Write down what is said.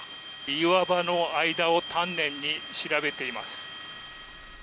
岩場の間を丹念に調べています。